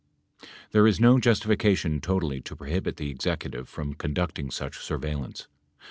There is no justification totally to prohibit the Executive from conducting such surveillance.